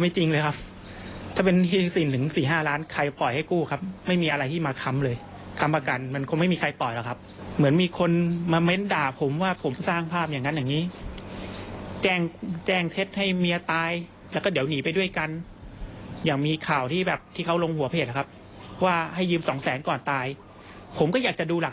ไม่จริงเลยครับถ้าเป็นหินสินถึงสี่ห้าล้านใครปล่อยให้กู้ครับไม่มีอะไรที่มาค้ำเลยค้ำประกันมันคงไม่มีใครปล่อยหรอกครับเหมือนมีคนมาเม้นด่าผมว่าผมสร้างภาพอย่างนั้นอย่างนี้แจ้งแจ้งเท็จให้เมียตายแล้วก็เดี๋ยวหนีไปด้วยกันอย่างมีข่าวที่แบบที่เขาลงหัวเพจนะครับว่าให้ยืมสองแสนก่อนตายผมก็อยากจะดูหลัก